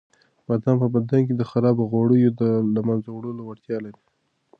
بادام په بدن کې د خرابو غوړیو د له منځه وړلو وړتیا لري.